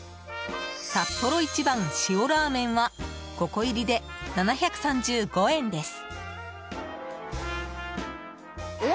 サッポロ一番塩らーめんは５個入りで７３５円です。